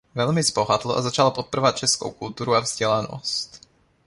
Velmi zbohatl a začal podporovat českou kulturu a vzdělanost.